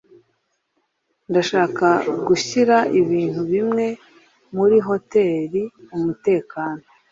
Ndashaka gushyira ibintu bimwe muri hoteri umutekano.